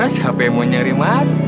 siapa yang mau nyari mat